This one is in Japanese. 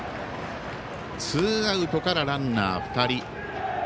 ツーアウトからランナー２人。